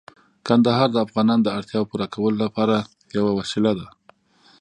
کندهار د افغانانو د اړتیاوو پوره کولو لپاره یوه وسیله ده.